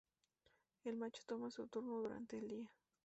El macho toma su turno durante el día.